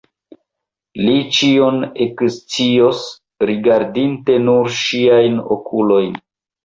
Li ĉion ekscios, rigardinte nur ŝiajn okulojn.